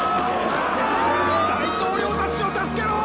大統領たちを助けろ！